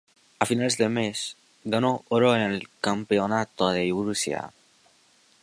A finales del mes, ganó oro en el Campeonato de Rusia.